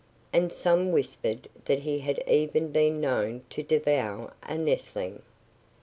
And some whispered that he had even been known to devour a nestling.